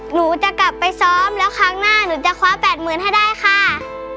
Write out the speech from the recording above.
หนูจะกลับไปซ้อมแล้วครั้งหน้าหนูจะคว้า๘๐๐๐ให้ได้ค่ะ